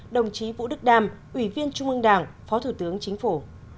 đồng chí vũ đức đam ủy viên trung ương đảng phó thủ tướng chính phủ